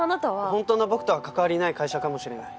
本当の僕とは関わりない会社かもしれない。